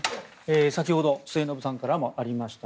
先ほど末延さんからもありました